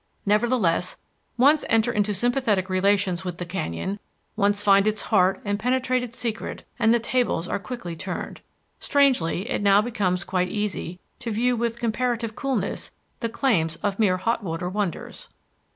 Nevertheless, once enter into sympathetic relations with the canyon, once find its heart and penetrate its secret, and the tables are quickly turned. Strangely, it now becomes quite easy to view with comparative coolness the claims of mere hot water wonders.